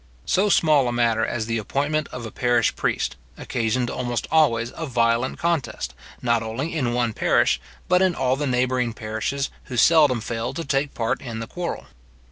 So small a matter as the appointment of a parish priest, occasioned almost always a violent contest, not only in one parish, but in all the neighbouring parishes who seldom failed to take part in the quarrel.